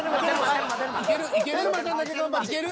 いける？